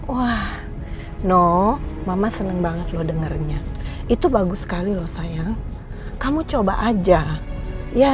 wah no mama seneng banget loh dengernya itu bagus sekali loh saya kamu coba aja ya